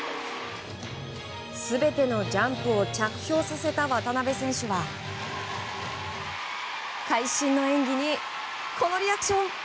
全てのジャンプを着氷させた渡辺選手は会心の演技にこのリアクション。